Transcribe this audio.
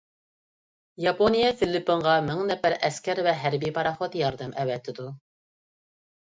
ياپونىيە فىلىپپىنغا مىڭ نەپەر ئەسكەر ۋە ھەربىي پاراخوت ياردەم ئەۋەتىدۇ.